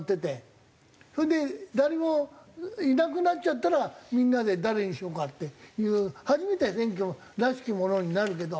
それで誰もいなくなっちゃったらみんなで誰にしようかっていう初めて選挙らしきものになるけど。